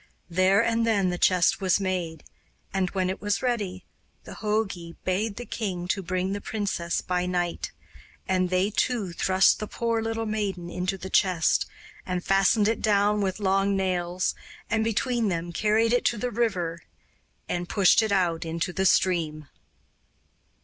There and then the chest was made, and, when it was ready, the jogi bade the king to bring the princess by night; and they two thrust the poor little maiden into the chest and fastened it down with long nails, and between them carried it to the river and pushed it out into the stream.